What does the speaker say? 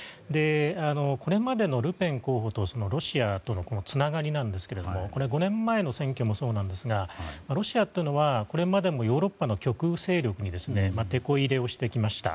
これまでのルペン候補とロシアとのつながりなんですがこれ５年前の選挙もそうなんですがロシアというのは、これまでもヨーロッパの極右勢力にてこ入れをしてきました。